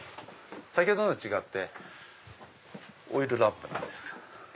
先ほどのと違ってオイルランプなんですよ。